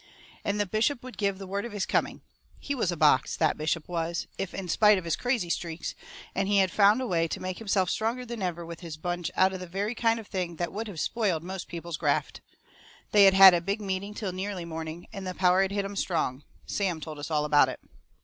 And the bishop would give the word of his coming. He was a box, that bishop was, in spite of his crazy streaks; and he had found a way to make himself stronger than ever with his bunch out of the very kind of thing that would have spoiled most people's graft. They had had a big meeting till nearly morning, and the power had hit 'em strong. Sam told us all about it.